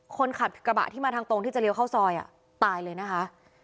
คนขับกระบะที่มาทางตรงที่จะเลี้ยวเข้าซอยตายเลยนะคะ